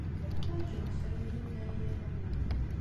Uḥwaǧeɣ kra n yiwen ara yi-iɛawnen.